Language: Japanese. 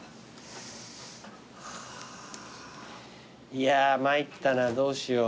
いや参ったなどうしよう。